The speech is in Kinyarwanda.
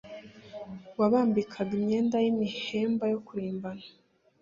Wabambikaga imyenda y’imihemba yo kurimbana